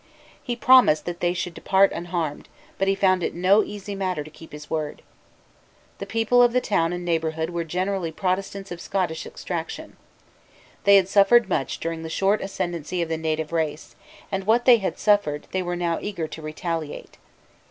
He promised that they should depart unharmed; but he found it no easy matter to keep his word. The people of the town and neighbourhood were generally Protestants of Scottish extraction. They had suffered much during the short ascendency of the native race; and what they had suffered they were now eager to retaliate.